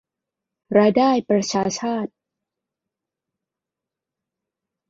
รายได้ประชาชาติ